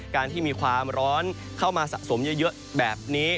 การที่มีความร้อนเข้ามาสะสมเยอะแบบนี้